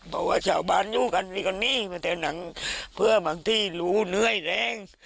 บอกว่าชาวบ้านอยู่กันมีคนนี้มาแถวหนังเพื่อบางที่รู้เหนื่อยแรง